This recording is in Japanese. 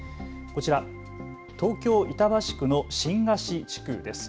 こちら、東京板橋区の新河岸地区です。